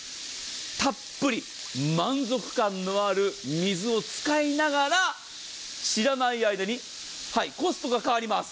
たっぷり満足感のある水を使いながら知らない間にコストが変わります。